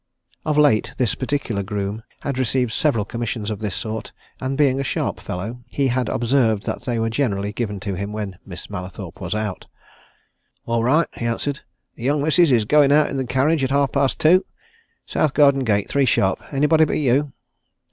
Of late this particular groom had received several commissions of this sort, and being a sharp fellow he had observed that they were generally given to him when Miss Mallathorpe was out. "All right," he answered. "The young missis is going out in the carriage at half past two. South Garden gate three sharp. Anybody but you?"